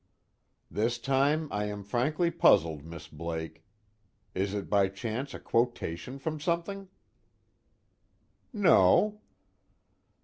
This time I am frankly puzzled, Miss Blake. It is by chance a quotation from something?" "No."